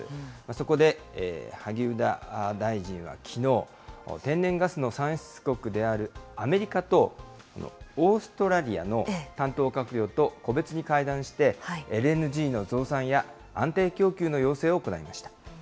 そこで萩生田大臣はきのう、天然ガスの産出国であるアメリカとオーストラリアの担当閣僚と個別に会談して、ＬＮＧの増産や安定供給の要請を行いました。